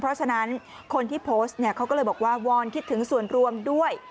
เพราะฉะนั้นคนที่โพสต์เนี่ยเขาก็เลยบอกว่าวอนคิดถึงส่วนรวมด้วย